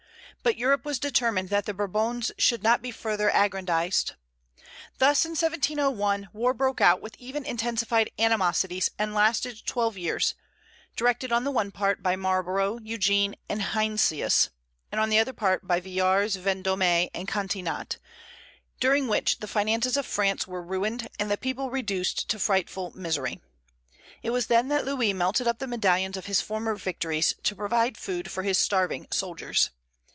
But Europe was determined that the Bourbons should not be further aggrandized. Thus in 1701 war broke out with even intensified animosities, and lasted twelve years; directed on the one part by Marlborough, Eugene, and Heinsius, and on the other part by Villars, Vendôme, and Catinat, during which the finances of France were ruined and the people reduced to frightful misery. It was then that Louis melted up the medallions of his former victories, to provide food for his starving soldiers.